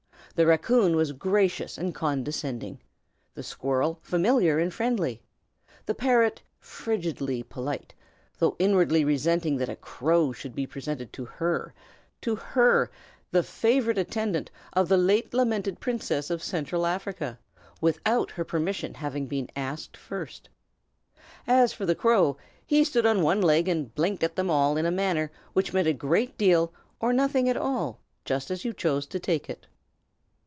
The raccoon was gracious and condescending, the squirrel familiar and friendly, the parrot frigidly polite, though inwardly resenting that a crow should be presented to her, to her, the favorite attendant of the late lamented Princess of Central Africa, without her permission having been asked first. As for the crow, he stood on one leg and blinked at them all in a manner which meant a great deal or nothing at all, just as you chose to take it.